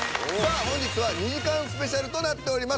本日は２時間ＳＰとなっております。